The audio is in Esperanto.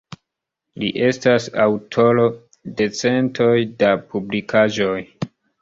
Li estas aŭtoro de centoj da publikaĵoj.